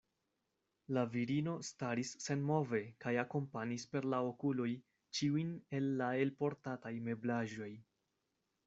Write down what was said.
La virino staris senmove kaj akompanis per la okuloj ĉiun el la elportataj meblaĵoj.